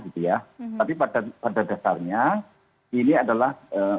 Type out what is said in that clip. tapi pada dasarnya ini adalah